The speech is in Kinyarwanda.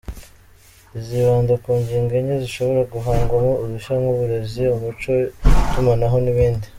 Izibanda ku ngingo enye zishobora guhangwamo udushya nk’uburezi, umuco, itumanaho n’ibindi.